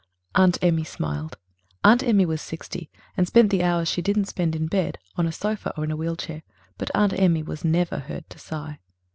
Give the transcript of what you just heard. Aunt Emmy smiled. Aunt Emmy was sixty, and spent the hours she didn't spend in a bed, on a sofa or in a wheel chair; but Aunt Emmy was never heard to sigh.